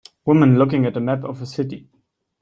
Woman looking at a map of a city.